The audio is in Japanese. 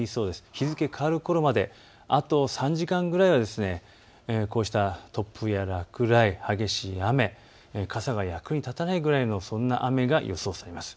日付変わるころまであと３時間くらいはこうした突風や落雷、激しい雨、傘が役に立たないぐらいのそんな雨が予想されています。